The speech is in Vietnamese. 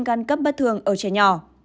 gan cấp bất thường ở trẻ nhỏ